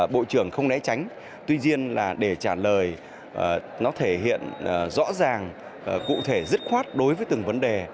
bộ trưởng không né tránh tuy nhiên là để trả lời nó thể hiện rõ ràng cụ thể dứt khoát đối với từng vấn đề